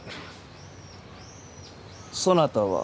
そなたは？